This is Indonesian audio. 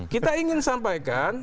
kita ingin sampaikan